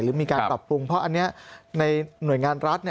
มีการปรับปรุงเพราะอันนี้ในหน่วยงานรัฐ